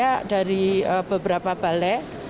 dan dari beberapa balai